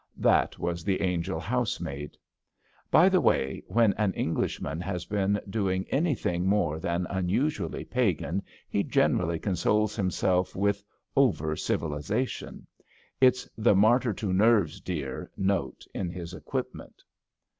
'' That was the angel housemaid. By the way, when an Englishman has been doing any thing more than imusually Pagan, he generally consoles himself with " over civilisation/' It's the martyr to nenres dear *' note in his equip ment.